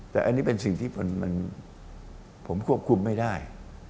แต่อันนี้เป็นสิ่งที่ผมควบคุมไม่ได้